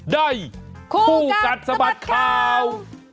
ได้คู่กัดสะบัดข่าว